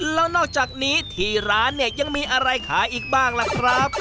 แล้วนอกจากนี้ที่ร้านเนี่ยยังมีอะไรขายอีกบ้างล่ะครับ